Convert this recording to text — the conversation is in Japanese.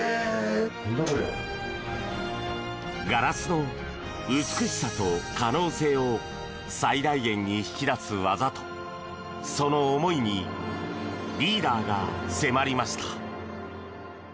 ガラスの美しさと可能性を最大限に引き出す技とその思いにリーダーが迫りました。